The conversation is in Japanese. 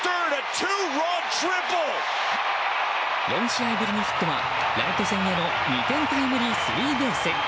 ４試合ぶりのヒットはライト線への２点タイムリースリーベース。